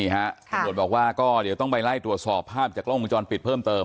ข้อลดบอกว่าเดี๋ยวต้องไปไล่ตรวจสอบภาพจากวงกิจรปิดเพิ่มเติม